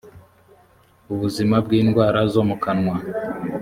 ubuzima bindwara zo mukanwa